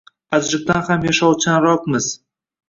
Аjriqdan ham yashovchanroqmiz.